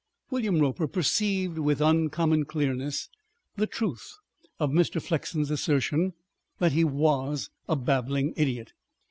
William Roper perceived with uncommon clearness the truth of Mr. Flexen's assertion that he was a babbling idiot.